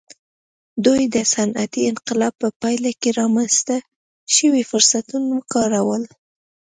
دوی د صنعتي انقلاب په پایله کې رامنځته شوي فرصتونه وکارول.